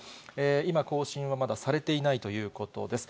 今、更新はまだされていないということです。